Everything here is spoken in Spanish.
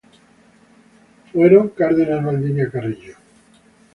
Fueron Cardenas Valdivia, Carrillo.